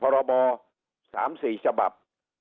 ๓๔ระบบ